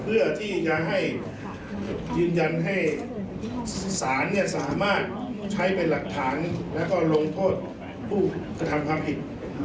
เพื่อที่จะให้ยืนยันให้สารสามารถใช้เป็นหลักฐานแล้วก็ลงโทษผู้กระทำความผิด